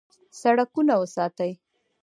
سړکونه وساتئ